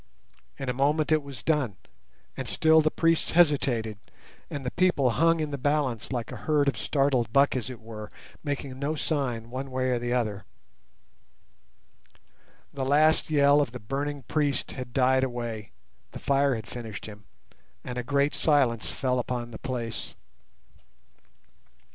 In a moment it was done, and still the priests hesitated, and the people hung in the balance like a herd of startled buck as it were, making no sign one way or the other. The last yell of the burning priest had died away, the fire had finished him, and a great silence fell upon the place.